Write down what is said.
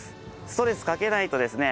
ストレスかけないとですね